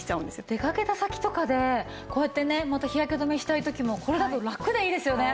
出かけた先とかでこうやってねまた日焼け止めしたい時もこれだとラクでいいですよね。